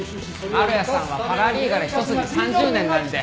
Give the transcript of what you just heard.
ああ丸屋さんはパラリーガル一筋３０年なんで。